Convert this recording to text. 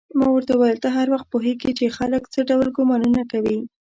ما ورته وویل: ته هر وخت پوهېږې چې خلک څه ډول ګومانونه کوي؟